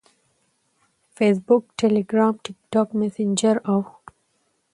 - Facebook، Telegram، TikTok او Messenger